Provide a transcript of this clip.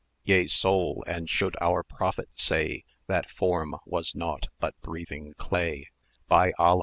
Yea, Soul, and should our prophet say 480 That form was nought but breathing clay, By Alla!